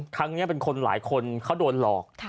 ครั้งนี้เป็นคนหลายคนเขาโดนหลอก